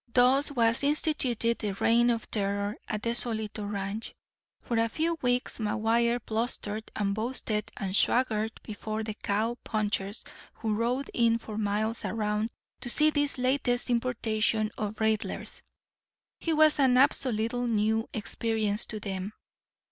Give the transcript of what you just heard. Thus was instituted the reign of terror at the Solito Ranch. For a few weeks McGuire blustered and boasted and swaggered before the cow punchers who rode in for miles around to see this latest importation of Raidler's. He was an absolutely new experience to them.